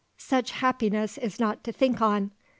_ Such happiness is not to think on!